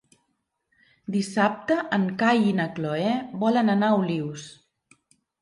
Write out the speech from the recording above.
Dissabte en Cai i na Cloè volen anar a Olius.